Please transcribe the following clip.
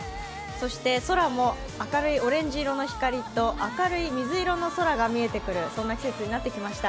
そして空も明るいオレンジ色の光と明るい水色の空が見える、そんな季節になってきました。